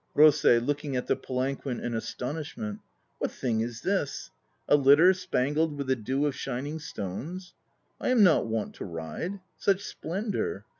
ROSEI (looking at the palanquin in astonishment). What thing is this? A litter spangled with a dew of shining stones? I am not wont to ride. Such splendour!